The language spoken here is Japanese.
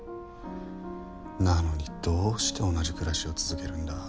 なのにどうして同じ暮らしを続けるんだ。